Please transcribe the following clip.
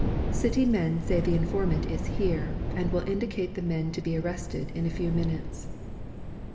"City men say the informant is here and will indicate the men to be arrested in a few minutes."